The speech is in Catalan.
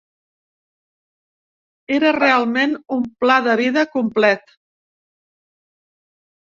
Era realment un pla de vida complet.